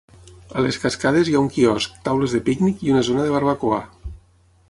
A les cascades hi ha un quiosc, taules de pícnic i una zona de barbacoa.